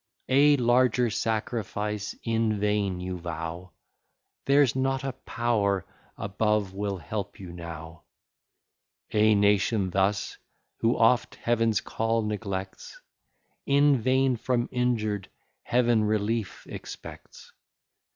A larger sacrifice in vain you vow; There's not a power above will help you now; A nation thus, who oft Heaven's call neglects, In vain from injured Heaven relief expects.